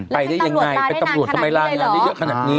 ไปได้ยังไงเป็นตำรวจทำไมลางานได้เยอะขนาดนี้